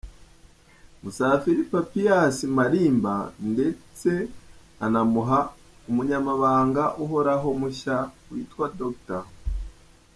Musafiri Papias Malimba ndetse anamuha umunyamabanga uhoraho mushya witwa Dr.